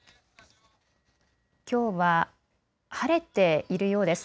きょうは晴れているようです。